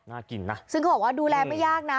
กินนะซึ่งเขาบอกว่าดูแลไม่ยากนะ